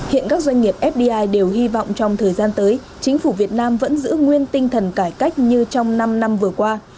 hiện các doanh nghiệp fdi đều hy vọng trong thời gian tới chính phủ việt nam vẫn giữ nguyên tinh thần cải cách như trong năm năm vừa qua